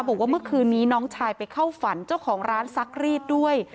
บอกว่าเมื่อคืนนี้น้องชายไปเข้าฝันเจ้าของร้านซักรีดด้วย